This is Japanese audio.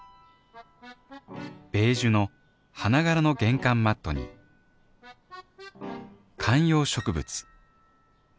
ベージュの花柄の玄関マットに観葉植物。